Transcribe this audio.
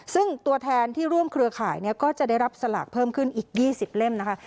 ซึ่งตัวแทนที่ร่วมเครือข่ายก็จะได้รับสลากเพิ่มขึ้นอีก๒๐เล่มนะคะ